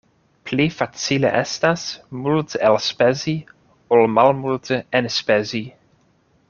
Pli facile estas multe elspezi, ol malmulte enspezi.